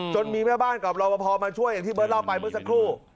มีแม่บ้านกับรอปภมาช่วยอย่างที่เบิร์ตเล่าไปเมื่อสักครู่